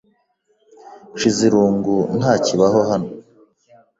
Nshizirungu ntakibaho hano.